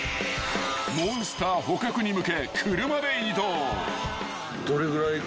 ［モンスター捕獲に向け車で移動］